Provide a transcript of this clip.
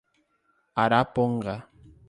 Araponga